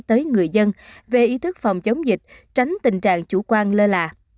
tới người dân về ý thức phòng chống dịch tránh tình trạng chủ quan lơ là